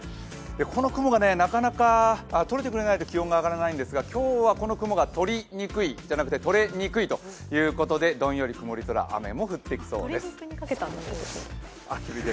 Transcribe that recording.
この雲がなかなか取れてくれないと気温が上がらないんですが今日はこの雲が鳥にくい、いや取れにくいということでどんより曇り空となりそうです。